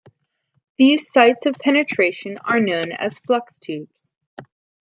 These sites of penetration are known as flux tubes.